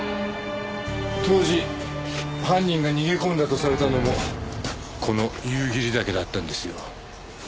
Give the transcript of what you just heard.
当時犯人が逃げ込んだとされたのもこの夕霧岳だったんですよ。